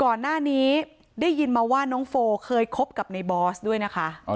ก่อนหน้านี้ได้ยินมาว่าน้องโฟเคยคบกับในบอสด้วยนะคะ